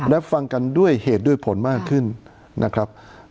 รับฟังกันด้วยเหตุด้วยผลมากขึ้นนะครับ